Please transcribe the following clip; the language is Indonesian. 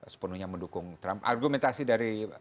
sepenuhnya mendukung trump argumentasi dari